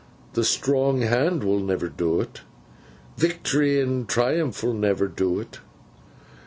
The strong hand will never do 't. Vict'ry and triumph will never do 't.